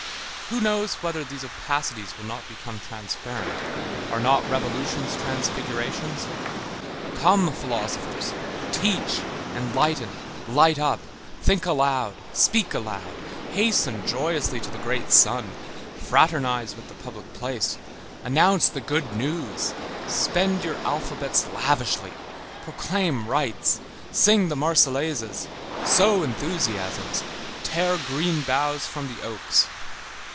Who knows whether these opacities will not become transparent? Are not revolutions transfigurations? Come, philosophers, teach, enlighten, light up, think aloud, speak aloud, hasten joyously to the great sun, fraternize with the public place, announce the good news, spend your alphabets lavishly, proclaim rights, sing the Marseillaises, sow enthusiasms, tear green boughs from the oaks.